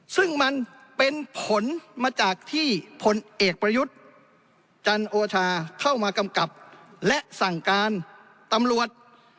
ซึ่งมันเป็นผลมาจากที่พลเอกประยุทธ์จันโอชาเข้ามากำกับและสั่งการตำรวจ